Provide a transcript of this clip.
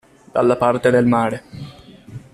Dalla parte del mare.